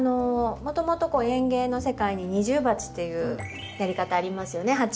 もともと園芸の世界に二重鉢というやり方ありますよね。